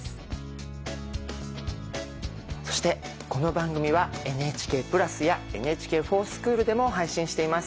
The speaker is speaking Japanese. そしてこの番組はＮＨＫプラスやＮＨＫｆｏｒＳｃｈｏｏｌでも配信しています。